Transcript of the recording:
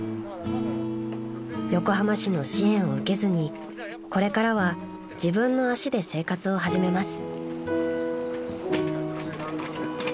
［横浜市の支援を受けずにこれからは自分の足で生活を始めます］